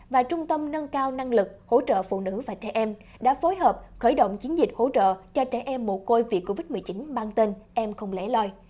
và trung tâm nâng cao năng lực hỗ trợ phụ nữ và trẻ em đã phối hợp khởi động chiến dịch hỗ trợ cho trẻ em mồ côi vì covid một mươi chín mang tên em không lẽ loi